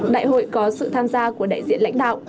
đại hội có sự tham gia của đại diện lãnh đạo